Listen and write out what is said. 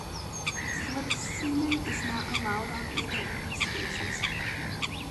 Slipstreaming is not allowed on either of these spaces.